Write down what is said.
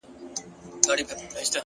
عاجزي د درنو انسانانو نښه ده.